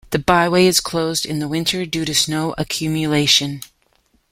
The byway is closed in the winter due to snow accumulation.